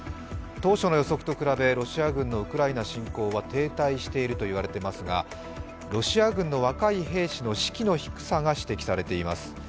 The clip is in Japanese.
当初の予測と比べ、ロシア軍のウクライナ侵攻は停滞しているといわれていますがロシア軍の若い兵士の士気の低さが指摘されています。